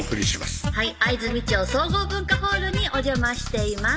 はい藍住町総合文化ホールにお邪魔しています